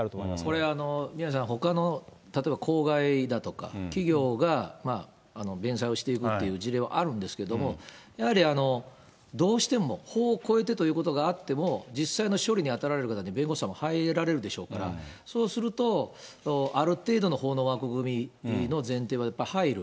これ、宮根さん、ほかの例えば公害だとか、企業が弁済をしていくという事例はあるんですけれども、やはりどうしても、法を超えてということがあっても、実際の処理に当たられる方に、弁護士さんも入られるでしょうから、そうすると、ある程度の法の枠組みの前提はやっぱり入る。